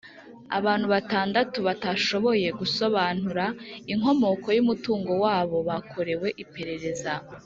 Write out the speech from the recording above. abantu batandatu batashoboye gusobanura inkomoko y’umutungo wabo bakorewe iperereza,